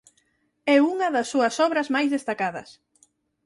É unha das súas obras máis destacadas.